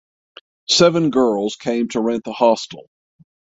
Seven girls came to rent the hostel.